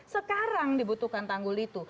sekarang dibutuhkan tanggul itu